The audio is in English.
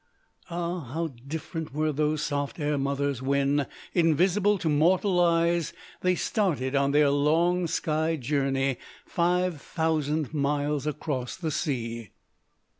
Ah! how different were those soft air mothers, when, invisible to mortal eyes, they started on their long sky journey, five thousand miles across the sea.